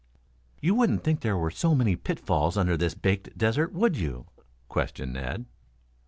"You wouldn't think there were so many pitfalls under this baked desert, would you?" questioned Ned.